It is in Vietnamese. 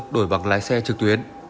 đổi bằng lái xe trực tuyến